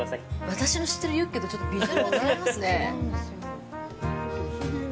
私の知ってるユッケとちょっとビジュアルが違いますね。